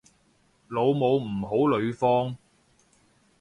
老母唔好呂方